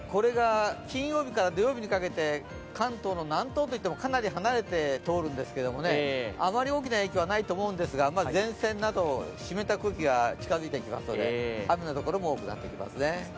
金曜日から土曜日にかけて関東の南東、といってもかなり離れて通るんですけれども、あまり大きな影響はないと思うんですが、前線など湿った空気が近づいてきますので雨のところも多くなってきますね。